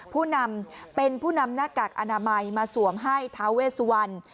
เป็นผู้นำหน้ากากอนามัยมาสวมให้ท้าเวสวรรค์